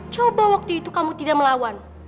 coba waktu itu kamu tidak melawan